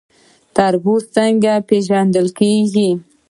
تربوز څنګه پیژندل کیږي؟